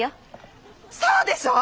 そうでしょう！